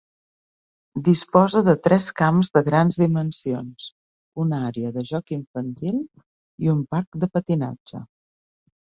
Disposa de tres camps de grans dimensions, una àrea de joc infantil i un parc de patinatge.